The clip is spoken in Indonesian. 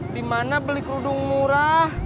dimana beli kerudung murah